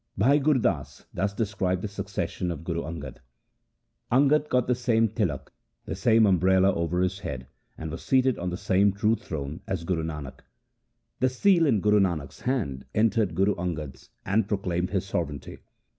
Bhai Gur Das thus describes the succession of Guru Angad :— Angad got the same tilak, the same umbrella over his head, and was seated on the same true throne as Guru Nanak. The seal in Guru Nanak's hand entered Guru Angad's, and proclaimed his sovereignty.